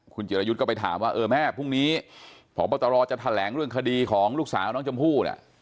คุณจิรยุทธ์ก็ไปถามว่าเออแม่พรุ่งนี้พบตรจะแถลงเรื่องคดีของลูกสาวน้องชมพู่เนี่ย